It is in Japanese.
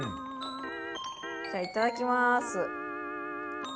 じゃいただきます。